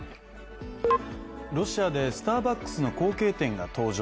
ロシアでスターバックスの後継店が登場。